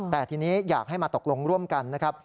แต่ทีนี้อยากให้มาตกลงร่วมกันนะครับ